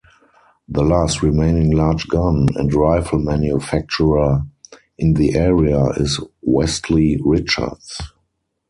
The last remaining large gun and rifle manufacturer in the area is Westley Richards.